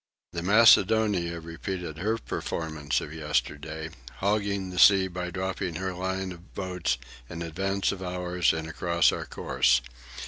The Macedonia repeated her performance of yesterday, "hogging" the sea by dropping her line of boats in advance of ours and across our course.